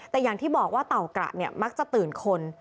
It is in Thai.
แต่อย่างที่บอกว่าเต่ากระเนี่ยมักจะตื่นคน